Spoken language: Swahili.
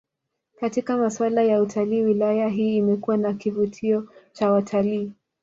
Katika maswala ya utalii wilaya hii imekuwa na kivutio cha watalii